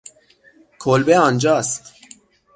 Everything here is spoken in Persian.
کلبه آنجا است.